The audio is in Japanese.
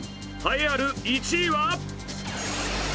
栄えある１位は。